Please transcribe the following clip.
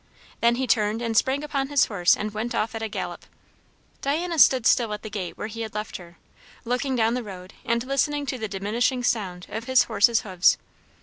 Then he turned and sprang upon his horse and went off at a gallop. Diana stood still at the gate where he had left her, looking down the road and listening to the diminishing sound of his horse's hoofs.